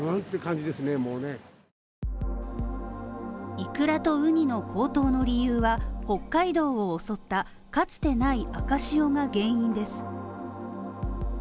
イクラとウニの高騰の理由は、北海道を襲った、かつてない赤潮が原因です。